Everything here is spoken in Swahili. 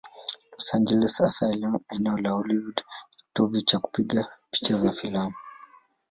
Los Angeles, hasa eneo la Hollywood, ni kitovu cha kupiga picha za filamu.